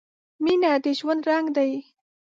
• مینه د ژوند رنګ دی.